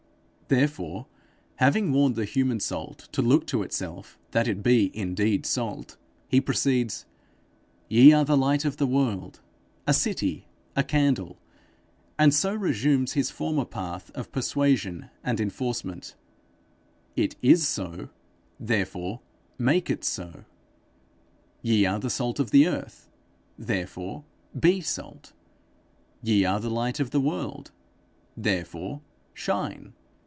Therefore, having warned the human salt to look to itself that it be indeed salt, he proceeds: 'Ye are the light of the world, a city, a candle,' and so resumes his former path of persuasion and enforcement: 'It is so, therefore make it so.' 'Ye are the salt of the earth; therefore be salt.' 'Ye are the light of the world; therefore shine.'